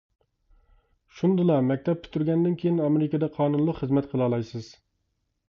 شۇندىلا مەكتەپ پۈتتۈرگەندىن كېيىن ئامېرىكىدا قانۇنلۇق خىزمەت قىلالايسىز.